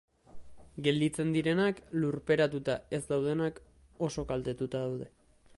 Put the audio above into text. Gelditzen direnak, lurperatuta ez daudenak, oso kaltetuta daude.